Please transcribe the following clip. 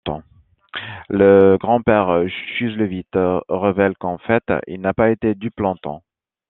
Le grand-père Chuzzlewit révèle qu'en fait, il n'a pas été dupe longtemps.